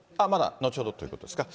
後ほどということですか。